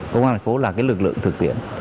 công an thành phố là cái lực lượng thực tiễn